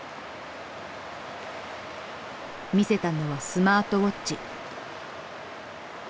見せたのはスマートウォッチ。